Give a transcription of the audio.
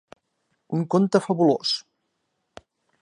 Un conte fabulós.